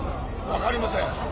分かりません。